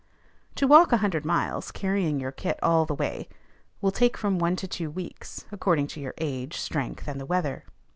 To walk a hundred miles, carrying your kit all the way, will take from one to two weeks, according to your age, strength, and the weather.